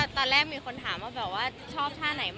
ตะแรกมีคนถามว่าชอบท่าไหน